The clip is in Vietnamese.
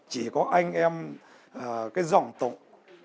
chỉ có anh em con cháu của dòng tổng của họ đấy